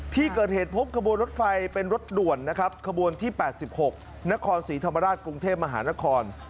ที่เกิดเหตุพบขบวนรถไฟเป็นรถด่วนนะครับขบวนที่๘๖นครศรีธรรมราชกรุงเทพมหานคร